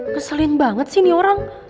keselin banget sih nih orang